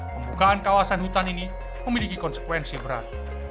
pembukaan kawasan hutan ini memiliki konsekuensi berat